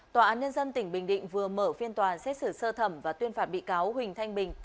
tòa án nhân dân tỉnh bình định vừa mở phiên tòa xét xử sơ thẩm và tuyên phạt bị cáo huỳnh thanh bình